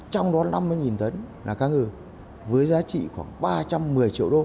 trong đó năm mươi tấn là cá ngừ với giá trị khoảng ba trăm một mươi triệu đô